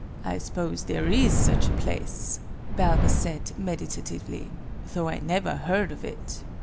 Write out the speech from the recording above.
"I suppose there is such a place," Balbus said, meditatively, "though I never heard of it.